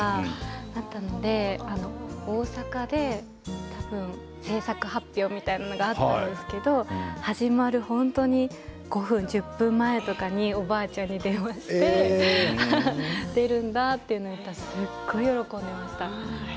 だったので、大阪で多分、制作発表みたいなものがあったんですけど始まる本当に５分１０分前におばあちゃんに電話して出るんだと言ったら本当すごく喜んでいました。